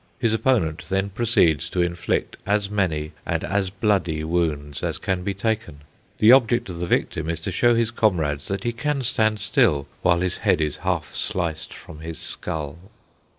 His opponent then proceeds to inflict as many and as bloody wounds as can be taken. The object of the victim is to show his comrades that he can stand still while his head is half sliced from his skull.